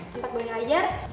tempat boleh ngajar